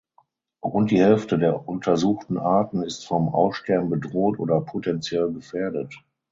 Rund die Hälfte der untersuchten Arten ist vom Aussterben bedroht oder potenziell gefährdet.